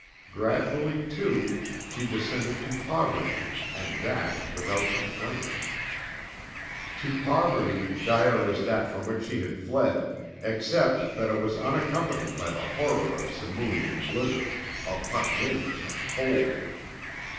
Gradually, too, she descended to poverty and that without complaint. To poverty dire as that from which she had fled, except that it was unaccompanied by the horror of simoon and blizzard, of hot winds and cold.